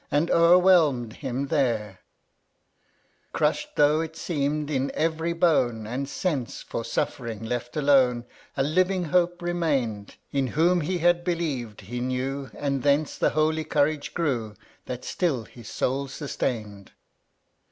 And overwhelm'd him there 20. Crush'd though, it seem'd, in every bone, And sense for suffering left alone, A living hope remain'd ; In whom he had believed he knew, And thence the holy courage grew That still his soul sustain'd.